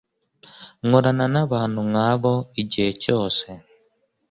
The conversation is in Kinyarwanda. Nkorana nabantu nkabo igihe cyose.